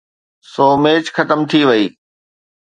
سو match ختم ٿي وئي.